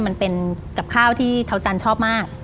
มันเป็นกับข้าวที่เท้าจันทร์ชอบมาก